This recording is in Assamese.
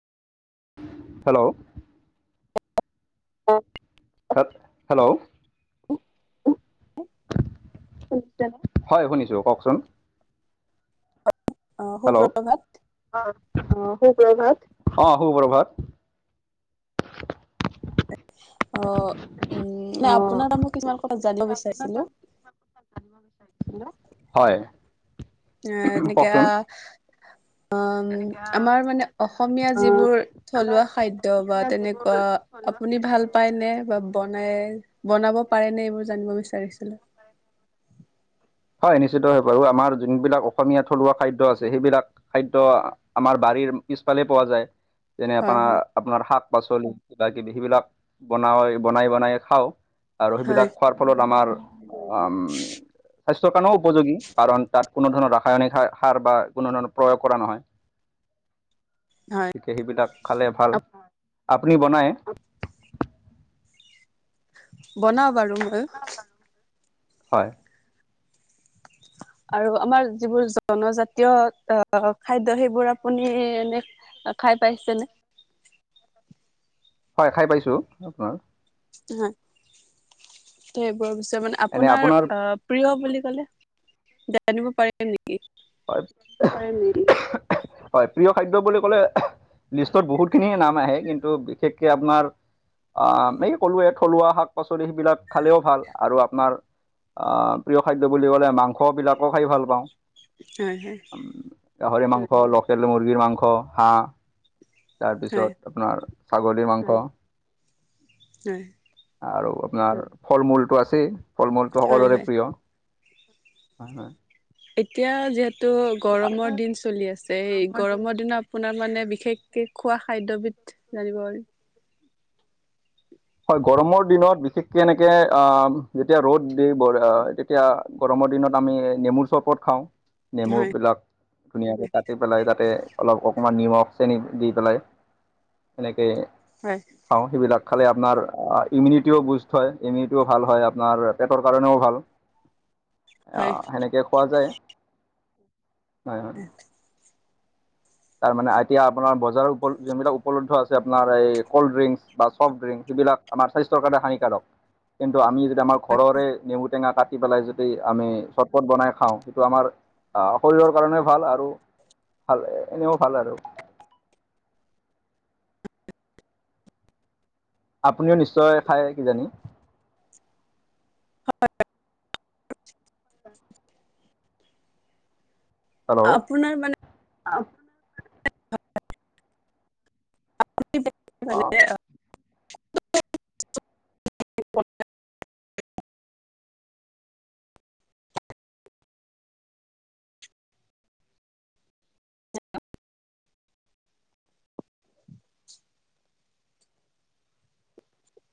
হেল্ল' [inaudible] উম! [inaudible] হেল্ল' [unintelligible] হেল [unintelligible] [inaudible] হয় শুনিছো কওকচোন? অঁ সুপ্ৰভাত। [inaudible] [inaudible] অঁ সুপ্ৰভাত। অঁ সুপ্ৰভাত। অ! উম! আপোনাৰ পৰা মই কিছুমান কথা জানিব বিচাৰিছিলোঁ। [unintelligible] [inaudible] হয়। এ, এনেকা কওকচোন [inaudible] উম! আমাৰ মানে অসমীয়া যিবোৰ [unintelligible] থলুৱা খাদ্য বা তেনেকুৱা আপুনি ভাল পায় নে? [inaudible] বনাই বনাব পাৰেনে এইবোৰ জানিব বিচাৰিছিলোঁ। [inaudible] হয় নিশ্চিতভাৱে পাৰো আমাৰ যোনবিলাক অসমীয়া থলুৱা খাদ্য আছে সেইবিলাক [unintelligible] খাদ্য আমাৰ বাৰীৰ পিছফালে পোৱা যায় যেনে হয় হয় আপোনাৰ [unintelligible] আপোনাৰ শাক-পাচলি কিবাকিবি সেইবিলাক বনাই বনাই বনাই খাওঁ। [unintelligible] আৰু হয় সেইবিলাক খোৱাৰ ফলত আমাৰ [unintelligible] স্বাস্থ্যৰ কাৰণেও উপযোগী কাৰণ তাত কোনো ধৰণৰ ৰাসায়নিক সাৰ-সাৰ বা কোনো ধৰণৰ প্ৰয়োগ কৰা নহয়। [unintelligible] [inaudible] হয়। গতিকে সেইবিলাক খালে ভাল। আপুনি বনাই? [inaudible] বনাওঁ বাৰু মই। [inaudible] [inaudible] হয়। আৰু আমাৰ যিবোৰ জনজাতীয় খাদ্য সেইবোৰ আপুনি এনে [unintelligible] খাই পাইছেনে? [unintelligible] হয় খাই পাইছোঁ। [unintelligible] হয় [inaudible] এইবোৰ [inaudible] মানে আপোনাৰ অ [unintelligible] প্ৰিয় বুলি কলে জানিব পাৰিম নেকি? [unintelligible] হয় [unintelligible] হয় প্ৰিয় খাদ্য বুলি ক'লে লিষ্টত বহুতখিনিয়ে নাম আহে কিন্তু বিশেষকৈ আপোনাৰ [unintelligible] আ এই কলোৱে থলুৱা শাক-পাচলি সেইবিলাক খালেও ভাল আৰু আপোনাৰ [unintelligible] আহ প্ৰিয় খাদ্য বুলি ক'লে মাংস বিলাকো খাই ভাল পাওঁ। [unintelligible] হয়-হয়। [unintelligible] গাহৰি মাংস, লোকেল মুৰ্গীৰ মাংস, হাঁহ হয় তাৰপিছত [inaudible] আপোনাৰ ছাগলীৰ মাংস। [unintelligible] হয়। [unintelligible] আৰু আপোনাৰ ফল-মূলটো আছেই, ফল-মূলটো হয় সকলোৰে হয় প্ৰিয়। [unintelligible] হয়-হয় [unintelligible] এতিয়া যিহেতু গৰমৰ দিন চলি আছে, এই গৰমৰ দিনত আপোনাৰ মানে বিশেষকে খোৱা খাদ্য বিধ জানিব পাৰিম? হয় গৰমৰ দিনত বিশেষকে এনেকে আহ যেতিয়া ৰ'দ দি এতিয়া গৰমৰ দিনত আমি নেমুৰ চৰবত খাওঁ, হয় নেমুবিলাক ধুনীয়াকে কাটি পেলাই তাতে অলপ অকমান নিমখ চেনি দি পেলাই এনেকে হয়। অ সেইবিলাক খালে আপ আপোনাৰ ইমিউনিটিও বুষ্ট হয়। ইমিউনিটিও ভাল হয় আপোনাৰ পেটৰ কাৰণেও ভাল। হয় আহ সেনেকে খোৱা যায়। হয় হয় তাৰমানে এতিয়া আপোনাৰ বজাৰত উপলব্ধ যোনবিলাক উপলব্ধ আছে আপোনাৰ এই ক'ল্ড ড্ৰিংকস বা ছফ্ট ড্ৰিংকস সেইবিলাক আমাৰ স্বাস্থ্যৰ কাৰণে হানিকাৰক। কিন্তু আমি যদি আমাৰ ঘৰৰে নেমু টেঙা কাটি কাটি পেলাই যদি আমি চৰপট বনাই খাওঁ সেইটো আমাৰ শৰীৰৰ কাৰণে ভাল আৰু ভালে এনেও ভাল আৰু। আপুনিও নিশ্চয় খায় কিজানি? হেল্ল। আপোনাৰ মানে অ [unintelligible] [inaudible] [unintelligible]